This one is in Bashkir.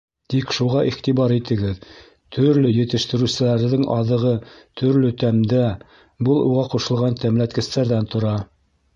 Тик шуға иғтибар итегеҙ: төрлө етештереүселәрҙең аҙығы төрлө тәмдә, был уға ҡушылған тәмләткестәрҙән тора.